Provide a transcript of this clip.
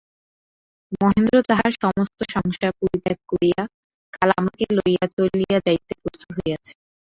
মহেন্দ্র তাহার সমস্ত সংসার পরিত্যাগ করিয়া কাল আমাকে লইয়া চলিয়া যাইতে প্রস্তুত হইয়াছে।